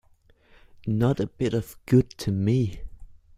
Not a bit of good to me.